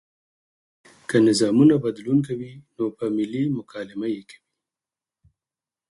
که نظامونه بدلون کوي نو په ملي مکالمه یې کوي.